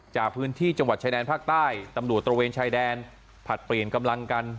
จากพื้นที่จังหวัดชายแดนภาคใต้ตำรวจตระเวนชายแดนผลัดเปลี่ยนกำลังกัน